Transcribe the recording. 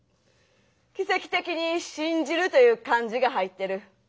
奇跡的に「信じる」という漢字が入ってる。